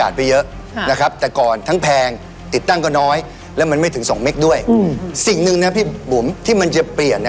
สิ่งหนึ่งนะครับที่มันจะเปลี่ยน